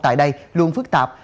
tại đây luôn phức tạp